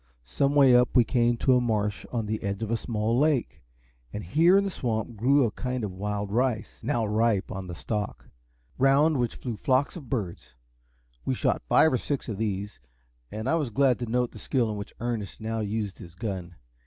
Some way up we came to a marsh on the edge of a small lake, and here in the swamp grew a kind of wild rice, now ripe on the stalk, round which flew flocks of birds. We shot five or six of these, and I was glad to note the skill with which Ernest now used his gun.